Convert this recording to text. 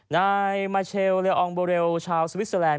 นายมาเชลเลองบอเรียลชาวสวิสสวิตเซอร์แลนด์